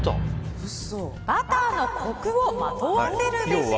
バターのコクをまとわせるべし。